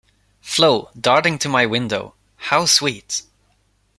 Flo, darting to my window, — 'How sweet!